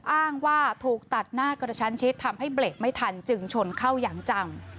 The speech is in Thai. อ้างว่าถูกตัดหน้ากระชั้นชิดทำให้เบรกไม่ทันจึงชนเข้าอย่างจัง